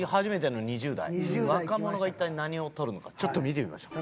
若者が一体何を取るのかちょっと見てみましょう。